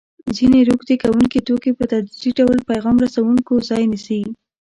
ځیني روږدي کوونکي توکي په تدریجي ډول پیغام رسوونکو ځای نیسي.